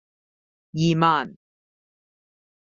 二萬